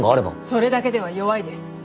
それだけでは弱いです。